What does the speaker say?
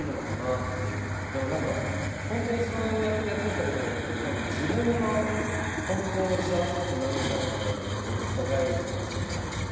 でも何かホントにそうやってやってきたことによって自分の本当の幸せって何だろうみたいなことを考えるようになってきて。